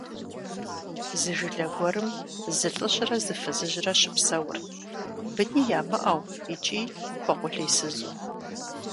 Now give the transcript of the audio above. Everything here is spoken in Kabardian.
Зы жылэ гуэрым зы лӀыжьрэ зы фызыжьрэ щыпсэурт, быни ямыӀэу икӀи хуэкъулейсызу.